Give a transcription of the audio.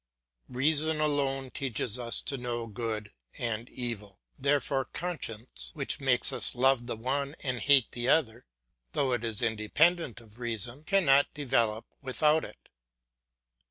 Reason alone teaches us to know good and evil. Therefore conscience, which makes us love the one and hate the other, though it is independent of reason, cannot develop without it.